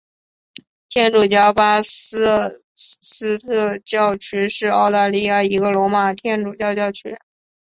天主教巴瑟斯特教区是澳大利亚一个罗马天主教教区。